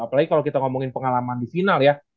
apalagi kalau kita ngomongin pengalaman di final ya